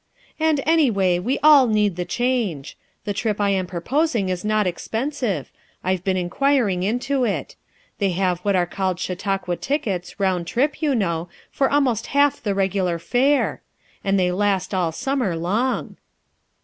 "And, anyway, we all need the change. The trip I am proposing is not expensive; I've been inquiring into it. They have what are called Chautauqua tickets, round trip, you know, for almost half the regular fare ; and they last all summer long."